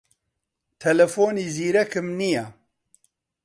تەلەفۆنی زیرەکم نییە.